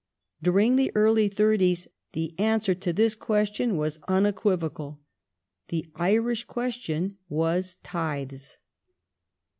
During the early thirties the answer to this question was unequivocal. "The Irish question" was "Tithes".